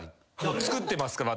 作ってます。